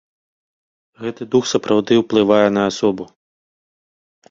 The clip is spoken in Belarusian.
Гэты дух сапраўды ўплывае на асобу.